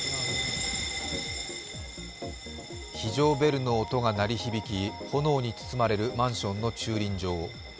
非常ベルの音が鳴り響き炎に包まれるマンションの駐輪場。